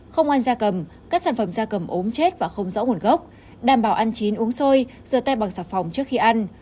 không ăn da cầm các sản phẩm da cầm ốm chết và không rõ nguồn gốc đảm bảo ăn chín uống sôi rửa tay bằng sạc phòng trước khi ăn